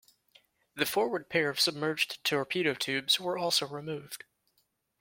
The forward pair of submerged torpedo tubes were also removed.